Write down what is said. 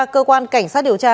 cơ quan cảnh sát điều tra